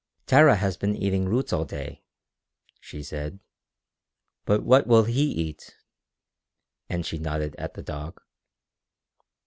"Tara has been eating roots all day," she said, "But what will he eat?" and she nodded at the dog.